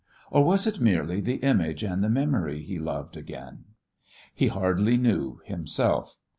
Or was it merely the image and the memory he loved "again"? He hardly knew himself.